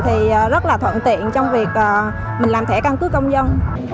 thì rất là thuận tiện trong việc mình làm thẻ căn cước công dân